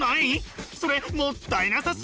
それもったいなさすぎ！